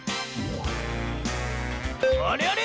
あれあれ？